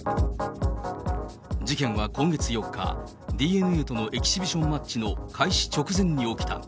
事件は今月４日、ＤｅＮＡとのエキシビションマッチ開始直前に起きた。